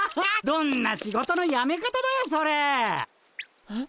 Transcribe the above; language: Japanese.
どんな仕事のやめ方だよそれ！えっ。